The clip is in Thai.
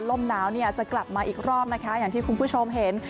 ลมหนาวเนี่ยจะกลับมาอีกรอบนะคะอย่างที่คุณผู้ชมเห็น